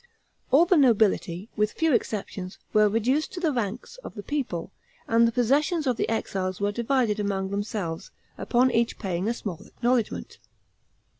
All the nobility, with few exceptions, were reduced to the ranks of the people, and the possessions of the exiles were divided among themselves, upon each paying a small acknowledgment.